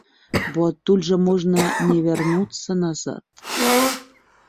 Бо адтуль жа можна не вярнуцца назад.